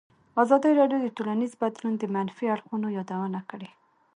ازادي راډیو د ټولنیز بدلون د منفي اړخونو یادونه کړې.